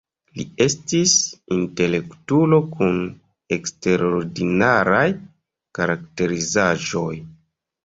Li estis intelektulo kun eksterordinaraj karakterizaĵoj.